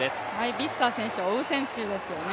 ビッサー選手を追う選手ですよね。